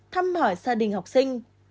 thăm hỏi gia đình học sinh